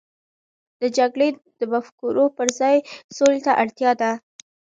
د جګړې د مفکورو پر ځای، سولې ته اړتیا ده.